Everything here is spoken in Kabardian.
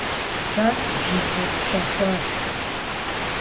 Сэ зызущэхуащ.